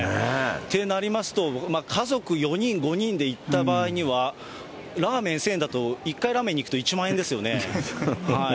ってなりますと、家族４人、５人で行った場合には、ラーメン１０００円だと、１回ラーメンに行くと１万円ですよね。